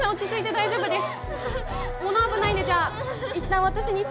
大丈夫です。